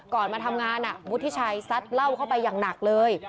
มาทำงานวุฒิชัยซัดเหล้าเข้าไปอย่างหนักเลย